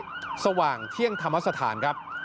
เคลื่อนขบวนไปที่โรงเจมูลณิธิสว่างเที่ยงธรรมสถานครับ